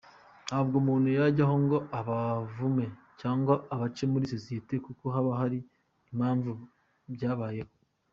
Ntabwo umuntu yajyaho ngo abavume cyangwa abace muri sosiyete kuko haba hari impamvu byabayeho”.